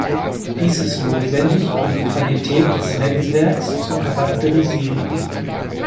Dies ist notwendig um die Qualität des Netzwerks zu charakterisieren.